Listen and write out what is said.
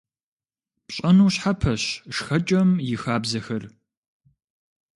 Пщӏэну щхьэпэщ шхэкӏэм и хабзэхэр.